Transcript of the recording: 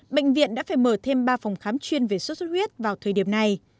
bệnh viện đã phải mở thêm ba phòng khám chuyên về sốt xuất huyết vào thời điểm này